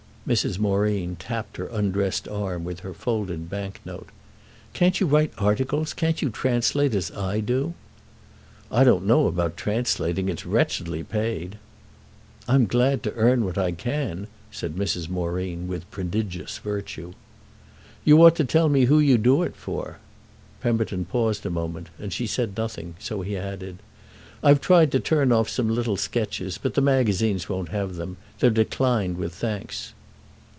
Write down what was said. Mrs. Moreen tapped her undressed arm with her folded bank note. "Can't you write articles? Can't you translate as I do?" "I don't know about translating; it's wretchedly paid." "I'm glad to earn what I can," said Mrs. Moreen with prodigious virtue. "You ought to tell me who you do it for." Pemberton paused a moment, and she said nothing; so he added: "I've tried to turn off some little sketches, but the magazines won't have them—they're declined with thanks."